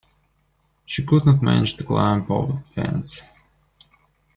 She could not manage to climb over the fence.